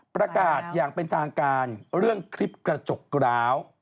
ประกาศอย่างเป็นทางการเรื่องคลิปกระจกร้าว